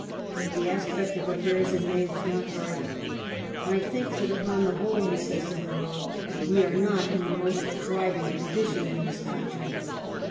The aspect of affairs in May was not bright. " I think that upon the whole," he says to Munro, "we are not in the most thriving condition in this country.